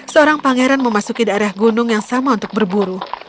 seorang pangeran memasuki daerah gunung yang sama untuk berburu